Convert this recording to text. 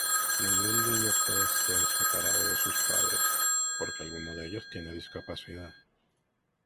Ningún niño puede ser separado de sus padres porque alguno de ellos tenga discapacidad.